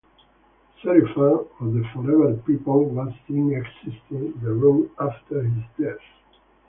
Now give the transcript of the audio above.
Serifan of the Forever People was seen exiting the room after his death.